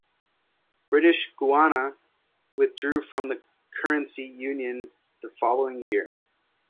British Guiana withdrew from the currency union the following year.